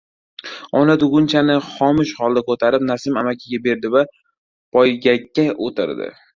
Ona tugunchani xomush holda ko‘tarib Nasim amakiga berdi va poygakka o‘tirdi.